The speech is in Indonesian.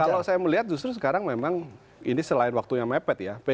kalau saya melihat justru sekarang memang ini selain waktunya mepet ya